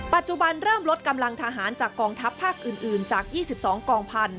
ปัจจุบันเริ่มลดกำลังทหารจากกองทัพภาคอื่นจาก๒๒กองพันธ